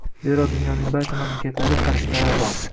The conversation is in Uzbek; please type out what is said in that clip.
Zero, dunyoning barcha mamlakatlarida farishtalar bor.